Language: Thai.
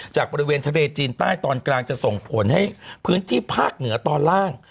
จากบริเวณทะเลจีนใต้ตอนกลางจะส่งผลให้พื้นที่ภาคเหนือตอนล่าง